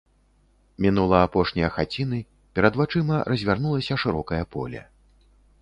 Мінула апошнія хаціны, перад вачыма развярнулася шырокае поле.